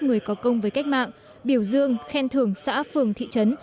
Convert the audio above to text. người có công với cách mạng biểu dương khen thưởng xã phường thị trấn